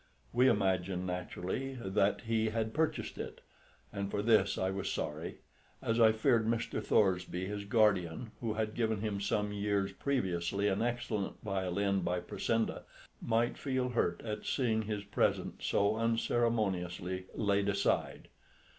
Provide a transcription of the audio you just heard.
We imagined naturally that he had purchased it; and for this I was sorry, as I feared Mr. Thoresby, his guardian, who had given him some years previously an excellent violin by Pressenda, might feel hurt at seeing his present so unceremoniously laid aside.